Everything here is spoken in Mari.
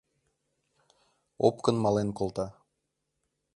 Опкын мален колта.